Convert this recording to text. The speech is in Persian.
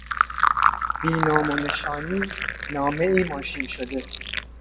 بی نام و نشانی نامهای ماشین شده